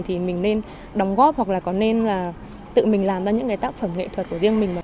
thì mình nên đóng góp hoặc là có nên là tự mình làm ra những cái tác phẩm nghệ thuật của riêng mình